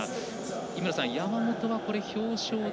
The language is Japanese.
井村さん、山本は表彰台